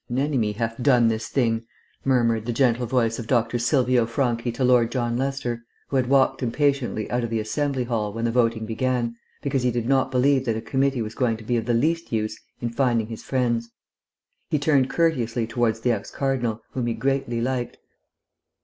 "An enemy hath done this thing," murmured the gentle voice of Dr. Silvio Franchi to Lord John Lester, who had walked impatiently out of the Assembly Hall when the voting began, because he did not believe that a committee was going to be of the least use in finding his friends. He turned courteously towards the ex cardinal, whom he greatly liked.